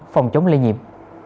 phòng chống lây nhiệm